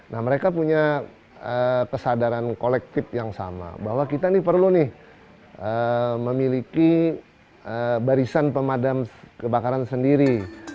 nah mereka punya kesadaran kolektif yang sama bahwa kita ini perlu nih memiliki barisan pemadam kebakaran sendiri